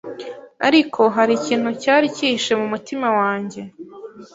Ariko hari ikintu cyari kihishe mu mutima wanjye